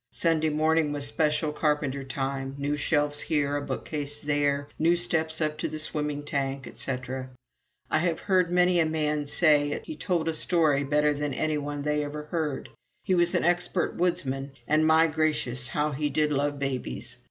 Sunday morning was special carpenter time new shelves here, a bookcase there, new steps up to the swimming tank, etc. I have heard many a man say that he told a story better than any one they ever heard. He was an expert woodsman. And, my gracious! how he did love babies!